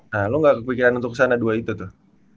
nah lo gak kepikiran untuk kesana dua itu tuh